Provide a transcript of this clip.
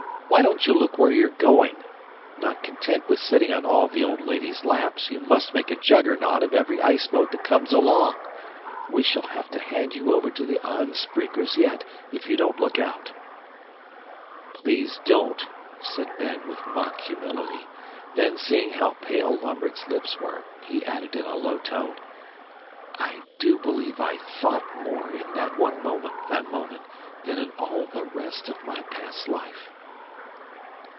Why don't you look where you are going? Not content with sitting on all the old ladies' laps, you must make a Juggernaut of every iceboat that comes along. We shall have to hand you over to the aanspreekers yet, if you don't look out!" "Please don't," said Ben with mock humility, then seeing how pale Lambert's lips were, he added in a low tone, "I do believe I THOUGHT more in that one moment, Van Mounen, than in all the rest of my past life."